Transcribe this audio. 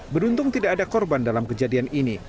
beruntung tidak ada korban dalam kejadian ini